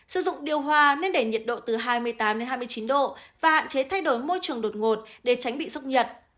sử dụng điều hòa nên để nhiệt độ từ hai mươi tám hai mươi chín độ và hạn chế thay đổi môi trường đột ngột để tránh bị sốc nhiệt